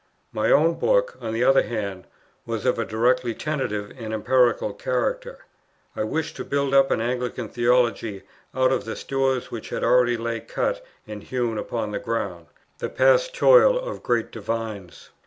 My own book, on the other hand, was of a directly tentative and empirical character. I wished to build up an Anglican theology out of the stores which already lay cut and hewn upon the ground, the past toil of great divines.